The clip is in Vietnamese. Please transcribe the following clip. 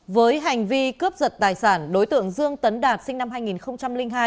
với hành vi cướp giật tài sản đối tượng dương tấn đạt sinh năm hai nghìn hai